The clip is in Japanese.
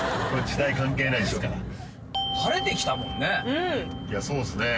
うんいやそうっすね